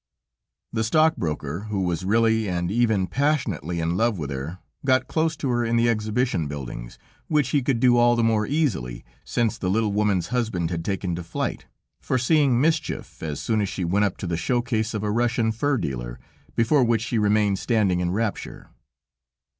The stockbroker, who was really, and even passionately in love with her, got close to her in the Exhibition buildings, which he could do all the more easily, since the little woman's husband had taken to flight, foreseeing mischief, as soon as she went up to the show case of a Russian fur dealer, before which she remained standing in rapture.